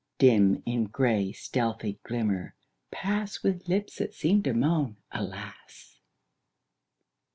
Dim in gray, stealthy glimmer, pass With lips that seem to moan "Alas."